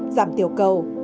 giảm tiểu cầu